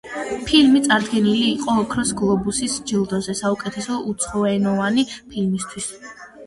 ფილმი წარდგენილი იყო ოქროს გლობუსის ჯილდოზე საუკეთესო უცხოენოვანი ფილმისთვის.